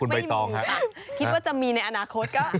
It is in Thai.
ไม่มีค่ะคิดว่าจะมีในอนาคตก็